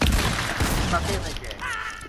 ประเทศได้แก่